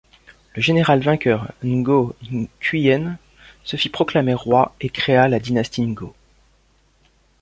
Le général vainqueur, Ngô Quyền se fit proclamer roi et créa la dynastie Ngô.